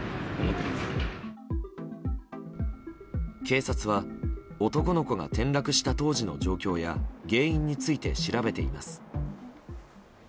警察は男の子が転落した当時の状況や原因について調べています。